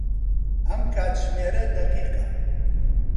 ئەم کاتژمێرە دەقیقە.